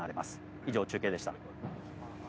以上、中継でした。